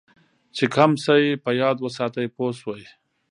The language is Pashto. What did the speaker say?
چې کم شی په یاد وساتې پوه شوې!.